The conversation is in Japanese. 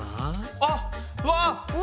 あっうわ！